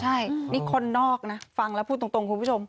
ใช่นี่คนนอกนะฟังแล้วพูดตรงคุณผู้ชม